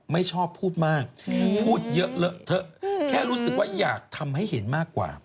ไม่ชอบพูดมากพูดเยอะเลอะเถอะแค่รู้สึกว่าอยากทำให้เห็นมากกว่า